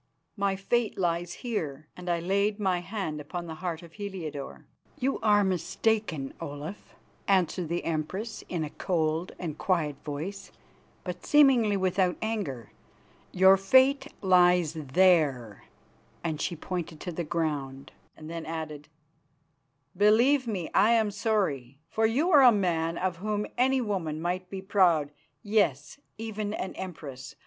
My fate lies here," and I laid my hand upon the heart of Heliodore. "You are mistaken, Olaf," answered the Empress, in a cold and quiet voice, but seemingly without anger; "your fate lies there," and she pointed to the ground, then added, "Believe me, I am sorry, for you are a man of whom any woman might be proud yes, even an empress.